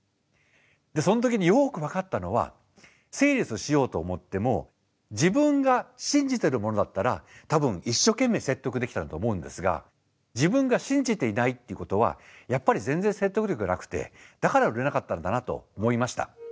その時によく分かったのはセールスしようと思っても自分が信じてるものだったら多分一生懸命説得できたんだと思うんですが自分が信じていないっていうことはやっぱり全然説得力がなくてだから売れなかったんだなと思いました。